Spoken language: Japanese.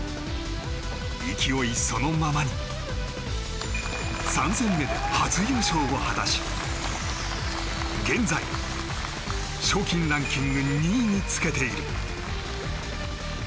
勢いそのままに３戦目で初優勝を果たし現在、賞金ランキング２位につけている。